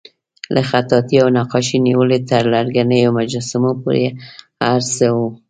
له خطاطۍ او نقاشۍ نیولې تر لرګینو مجسمو پورې هر څه وو.